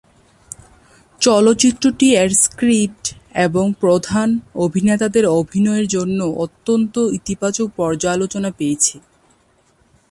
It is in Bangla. চলচ্চিত্রটি এর স্ক্রিপ্ট এবং প্রধান অভিনেতাদের অভিনয়ের জন্য অত্যন্ত ইতিবাচক পর্যালোচনা পেয়েছে।